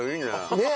ねえ？